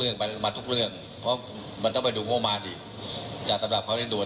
และนอกมาถึงวันตะมูลผมให้พยายามจะวิจัย